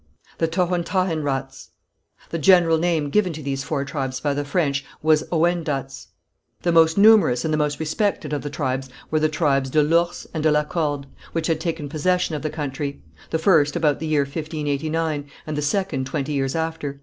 The Tohontahenrats. The general name given to these four tribes by the French was Ouendats. The most numerous and the most respected of the tribes were the tribes de l'Ours and de la Corde, which had taken possession of the country; the first about the year 1589, and the second twenty years after.